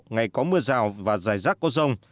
ngày có mưa rào và dài rác có rông